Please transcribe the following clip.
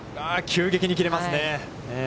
急激に切れますね。